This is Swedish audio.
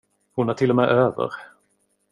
Hon är till och med över.